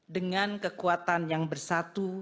dengan kekuatan yang bersatu